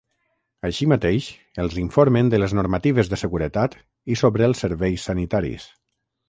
Així mateix, els informen de les normatives de seguretat i sobre els serveis sanitaris.